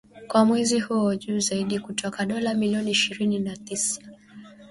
Kwa mwezi huo, juu zaidi kutoka dola milioni ishirini na tisa